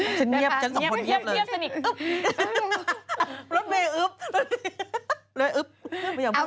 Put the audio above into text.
จนเยี๊ยบจนสองคนเยี๊ยบเลย